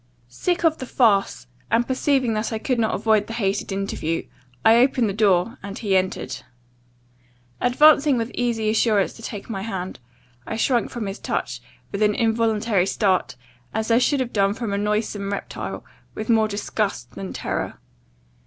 "Sick of the farce, and perceiving that I could not avoid the hated interview, I opened the door, and he entered. Advancing with easy assurance to take my hand, I shrunk from his touch, with an involuntary start, as I should have done from a noisome reptile, with more disgust than terror.